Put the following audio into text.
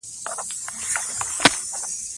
افغانستان کې د طبیعي زیرمې په اړه زده کړه کېږي.